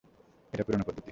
এটা পুরানো পদ্ধতি।